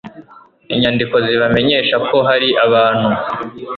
inyandiko zibamenyesha ko hari abantu